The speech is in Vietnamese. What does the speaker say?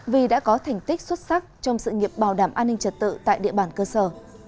vì đã có thành tích xuất sắc trong sự nghiệp bảo đảm an ninh trật tự tại địa bàn cơ sở